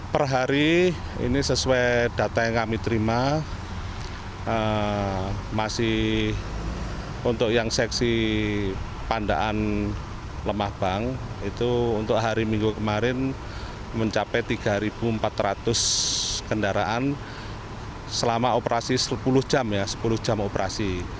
per hari ini sesuai data yang kami terima masih untuk yang seksi pandaan lemahbang itu untuk hari minggu kemarin mencapai tiga empat ratus kendaraan selama operasi sepuluh jam ya sepuluh jam operasi